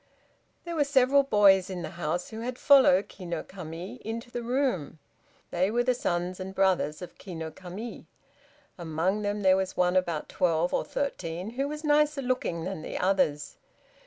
There were several boys in the house who had followed Ki no Kami into the room. They were the sons and brothers of Ki no Kami. Among them there was one about twelve or thirteen, who was nicer looking than the others.